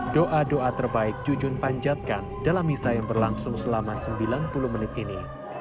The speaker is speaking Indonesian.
doa doa terbaik jujun panjatkan dalam misa yang berlangsung selama sembilan puluh menit ini